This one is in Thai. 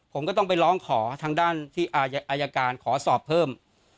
ผมก็ต้องไปร้องขอทางด้านที่อายการขอสอบเพิ่ม